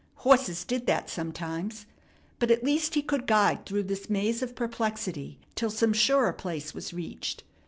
Horses did that sometimes. But at least he could guide through this maze of perplexity till some surer place was reached.